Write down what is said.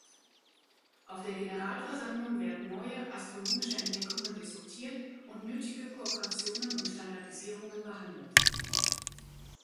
Auf der Generalversammlung werden neue astronomische Entdeckungen diskutiert und nötige Kooperationen und Standardisierungen behandelt.